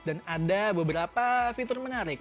dan ada beberapa fitur menarik